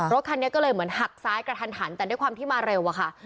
รถคันนี้ก็เลยเหมือนหักซ้ายกระทันหันแต่ด้วยความที่มาเร็วอะค่ะ